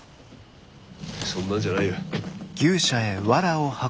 そんなんじゃないよ。